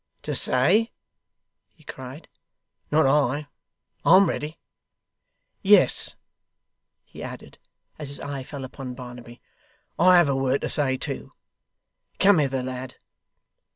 'To say!' he cried. 'Not I. I'm ready. Yes,' he added, as his eye fell upon Barnaby, 'I have a word to say, too. Come hither, lad.